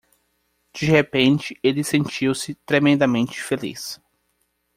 De repente, ele sentiu-se tremendamente feliz.